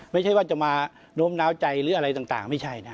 ไม่ใช่ว่าจะมาโน้มน้าวใจหรืออะไรต่างไม่ใช่นะ